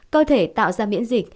cơ thể tạo ra miễn dịch